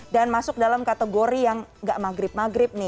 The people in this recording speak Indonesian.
dan masuk dalam kategori yang nggak maghrib maghrib nih